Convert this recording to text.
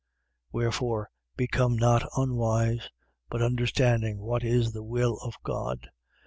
5:17. Wherefore, become not unwise: but understanding what is the will of God.